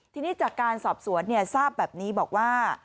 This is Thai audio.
ทีนี้จากการสอบสวนทราบแบบนี้บอกว่า